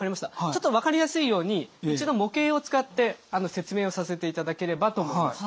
ちょっと分かりやすいように一度模型を使って説明をさせていただければと思います。